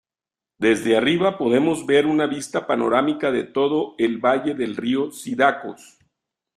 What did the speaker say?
Desde arriba podemos ver una vista panorámica de todo el valle del río Cidacos.